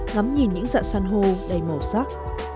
ngắm nhìn những dạng san hô đầy màu sắc